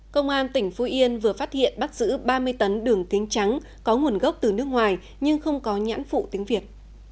công an tỉnh phú yên vừa phát hiện bắt giữ ba mươi tấn đường kính trắng có nguồn gốc từ nước ngoài nhưng không có nhãn phụ tiếng việt